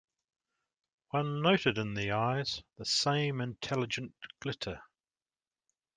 One noted in the eyes the same intelligent glitter.